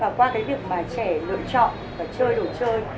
và qua cái việc mà trẻ lựa chọn và chơi đồ chơi